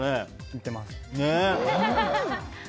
行ってます。